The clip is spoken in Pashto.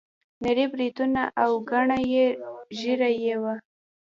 نري بریتونه او ګڼه نه ږیره یې وه.